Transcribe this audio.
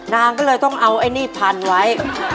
นางก็เลยต้องเอาไอ้นี่พันไว้